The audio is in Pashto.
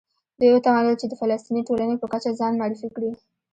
دوی وتوانېدل چې د فلسطیني ټولنې په کچه ځان معرفي کړي.